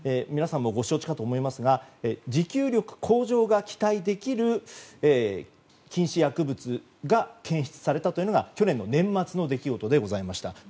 皆さんもご承知かと思いますが持久力向上が期待できる禁止薬物が検出されたのが去年年末の出来事でございました。